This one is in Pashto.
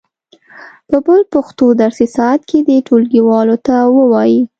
په بل پښتو درسي ساعت کې دې ټولګیوالو ته و وایي.